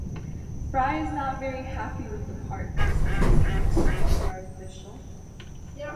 Fry is not very happy with the park, since it seems extremely artificial.